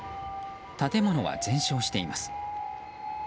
建物は全焼しています。